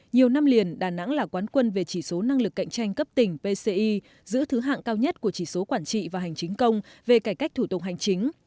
nhiều năm liền đà nẵng là quán quân về chỉ số năng lực cạnh tranh cấp tỉnh pci giữ thứ hạng cao nhất của chỉ số quản trị và hành chính công về cải cách thủ tục hành chính